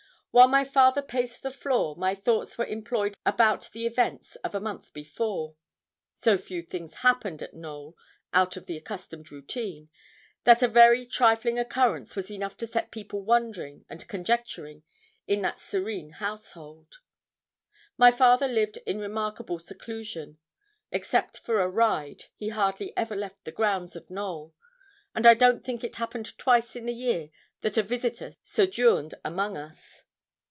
While my father paced the floor, my thoughts were employed about the events of a month before. So few things happened at Knowl out of the accustomed routine, that a very trifling occurrence was enough to set people wondering and conjecturing in that serene household. My father lived in remarkable seclusion; except for a ride, he hardly ever left the grounds of Knowl; and I don't think it happened twice in the year that a visitor sojourned among us.